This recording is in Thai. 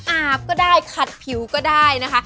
อาบก็ได้ขัดผิวก็ได้นะคะ